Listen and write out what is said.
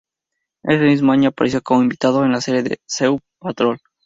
Ese mismo año apareció como invitado en la serie "Sea Patrol".